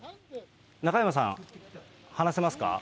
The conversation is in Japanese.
中山さん、話せますか？